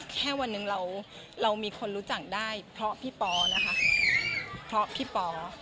แค่วันหนึ่งเราเรามีคนรู้จักได้เพราะพี่ปอนะคะเพราะพี่ปอ